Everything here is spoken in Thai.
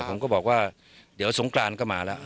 ผมก็บอกว่าเดี๋ยวสงกรานก็มาแล้ว